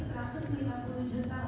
saya harus menuliskan